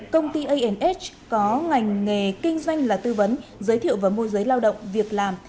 công ty anh có ngành nghề kinh doanh là tư vấn giới thiệu và môi giới lao động việc làm